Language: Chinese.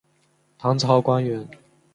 唐朝官员。